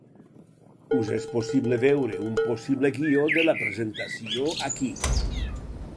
Us és possible veure un possible guió de la presentació aquí.